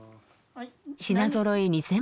品ぞろえ２，０００